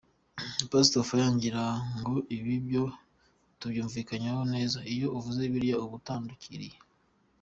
Pastor Fire: Ngira ngo ibi byo tubyumvikaneho neza, iyo uvuze Bibiliya uba utandukiriye.